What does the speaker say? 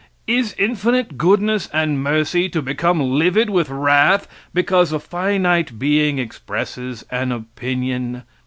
Is infinite goodness and mercy to become livid with wrath because a finite being expresses an opinion?